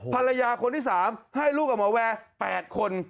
ภรรยาคนที่๓ให้ลูกกับหมอแวร์๘คน